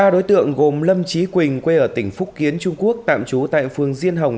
ba đối tượng gồm lâm trí quỳnh quê ở tỉnh phúc kiến trung quốc tạm trú tại phường diên hồng